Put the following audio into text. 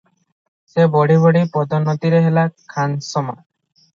ସେ ବଢ଼ି ବଢ଼ି ପଦୋନ୍ନତିରେ ହେଲା ଖାନସମା ।